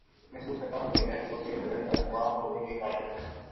محسوس کرتا ہوں کہ میں چیزوں سے نبرد آزما ہونے کے قابل نہی